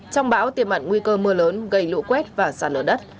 trong bão tiềm mặn nguy cơ mưa lớn gây lũ quét và sạt lở đất